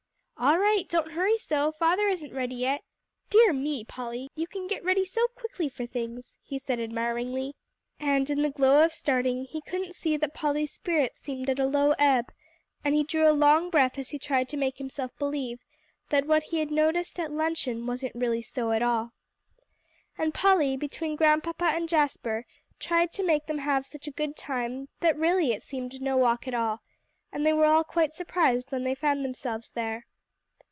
"All right, don't hurry so, father isn't ready yet. Dear me! Polly, you can get ready so quickly for things!" he said admiringly. And, in the glow of starting, he couldn't see that Polly's spirits seemed at a low ebb, and he drew a long breath as he tried to make himself believe that what he had noticed at luncheon wasn't really so at all. And Polly, between Grandpapa and Jasper, tried to make them have such a good time that really it seemed no walk at all, and they were all quite surprised when they found themselves there.